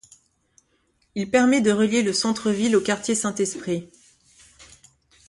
Il permet de relier le centre ville au quartier Saint-Esprit.